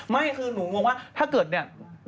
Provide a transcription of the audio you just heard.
ไม่คือหนูงงว่าถ้าเกิดเนี่ย